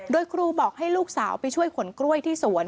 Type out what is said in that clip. โดยครูบอกให้ลูกสาวไปช่วยขนกล้วยที่สวน